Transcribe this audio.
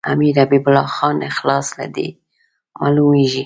امیر حبیب الله خان اخلاص له دې معلومیږي.